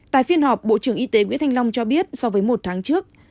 tại phiên họp bộ trưởng y tế nguyễn thanh long cho biết so với một tháng trước